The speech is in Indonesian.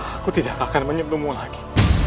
aku tidak akan menyentuhmu lagi